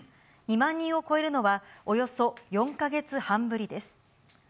２万人を超えるのは、およそ４か月半ぶりです。